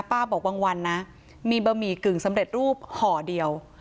บอกบางวันนะมีบะหมี่กึ่งสำเร็จรูปห่อเดียว